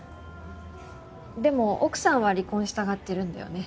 でも奥さんは離婚したがってるんだよね。